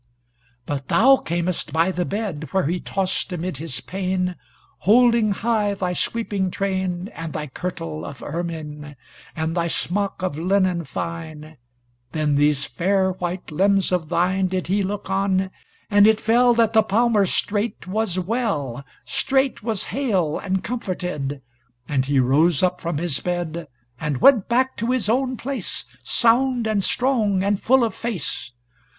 But thou camest by the bed, Where he tossed amid his pain, Holding high thy sweeping train, And thy kirtle of ermine, And thy smock of linen fine, Then these fair white limbs of thine, Did he look on, and it fell That the palmer straight was well, Straight was hale and comforted, And he rose up from his bed, And went back to his own place, Sound and strong, and full of face!